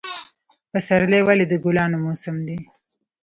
پسرلی ولې د ګلانو موسم دی؟